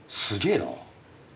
すげぇな。